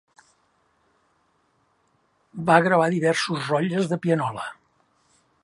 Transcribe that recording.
Va gravar diversos rotlles de pianola.